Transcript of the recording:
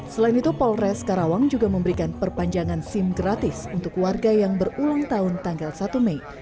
selain itu polres karawang juga memberikan perpanjangan sim gratis untuk warga yang berulang tahun tanggal satu mei